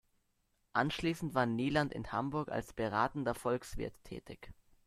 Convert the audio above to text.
Anschließend war Nieland in Hamburg als „beratender Volkswirt“ tätig.